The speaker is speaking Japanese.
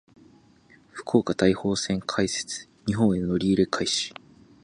福岡・台北線開設。日本への乗り入れ開始。